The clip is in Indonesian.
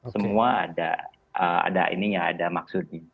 semua ada maksudnya